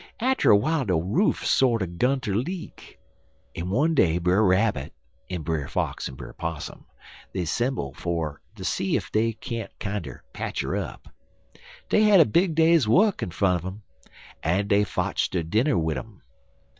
Atter w'ile de roof sorter 'gun ter leak, en one day Brer Rabbit, en Brer Fox, en Brer Possum, 'semble fer ter see ef dey can't kinder patch her up. Dey had a big day's work in front un um, en dey fotch der dinner wid um.